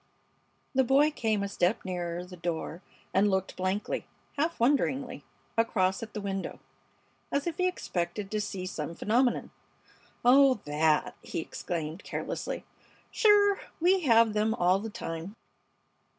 The boy came a step nearer the door and looked blankly, half wonderingly, across at the window, as if he expected to see some phenomenon. "Oh! That!" he exclaimed, carelessly. "Sure! We have them all the time."